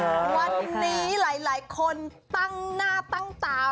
วันนี้หลายคนตั้งหน้าตั้งตา